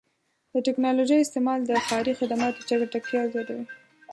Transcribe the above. د ټکنالوژۍ استعمال د ښاري خدماتو چټکتیا زیاتوي.